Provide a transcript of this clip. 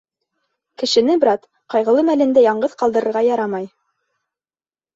Кешене, брат, ҡайғылы мәлендә яңғыҙ ҡалдырырға ярамай.